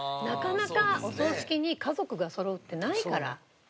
なかなかお葬式に家族がそろうってないから。